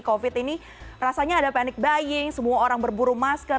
covid ini rasanya ada panic buying semua orang berburu masker